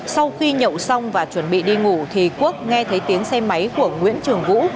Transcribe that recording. sau khi nhậu xong và chuẩn bị đi ngủ thì quốc nghe thấy tiếng xe máy của nguyễn trường vũ